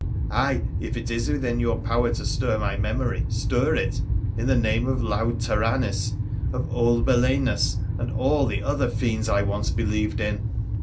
' Ay, if it is within your power to stir my memory, stir it, in the name of loud Taranis, of old Belenus, and all the other fiends I once believed in